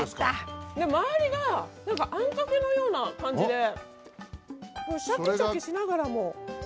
周りがあんかけのような感じでシャキシャキしながらも。